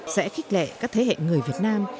sẽ khích lệ các thế hệ người việt nam